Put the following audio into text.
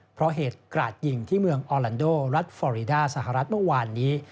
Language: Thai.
เพราะเหตุกราดยิงที่เมืองออลันโดรัฐฟอรีดาสหรัฐเมื่อวานนี้